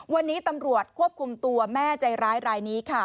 วันนี้ตำรวจควบคุมตัวแม่ใจร้ายรายนี้ค่ะ